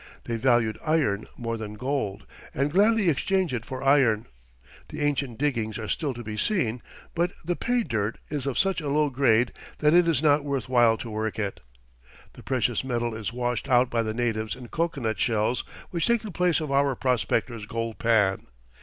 They valued iron more than gold, and gladly exchanged it for iron. The ancient diggings are still to be seen, but the "pay dirt" is of such a low grade that it is not worth while to work it. The precious metal is washed out by the natives in cocoanut shells, which take the place of our prospectors' "gold pan."